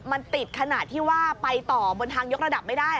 มันติดขนาดที่ว่าไปต่อบนทางยกระดับไม่ได้